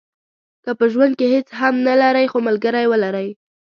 که په ژوند کې هیڅ هم نه لرئ خو ملګری ولرئ.